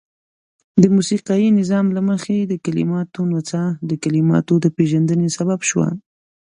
د موسيقايي نظام له مخې د کليماتو نڅاه د کليماتو د پيژندني سبب شوه.